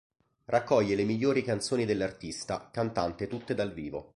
Raccoglie le migliori canzoni dell'artista, cantante tutte dal vivo.